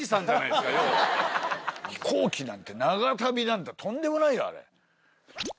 飛行機なんて長旅なんてとんでもないよあれ。